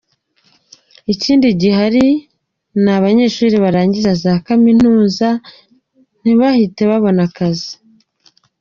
Ikindi kibazo gihari ni abanyeshuri barangiza za Kaminuza ntibahite babona akazi.